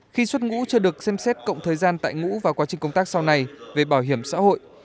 khi xuất ngũ chưa được xem xét cộng thời gian tại ngũ và quá trình công tác sau này về bảo hiểm xã hội